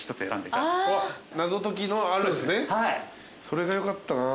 それがよかったな。